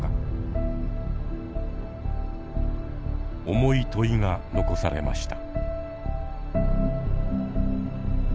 重い問いが残されました。